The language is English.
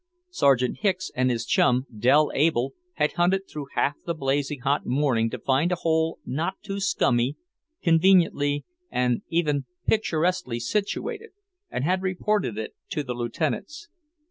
Sergeant Hicks and his chum, Dell Able, had hunted through half the blazing hot morning to find a hole not too scummy, conveniently, and even picturesquely situated, and had reported it to the Lieutenants.